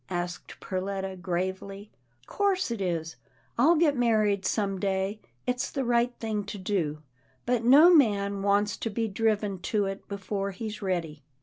" asked Perletta gravely. " 'Course it is, I'll get married some day. It's the right thing to do, but no man wants to be driven to it before he's ready.